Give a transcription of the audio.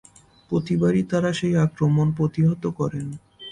প্রতিবারই তারা সেই আক্রমণ প্রতিহত করেন।